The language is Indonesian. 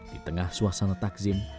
di tengah suasana takzim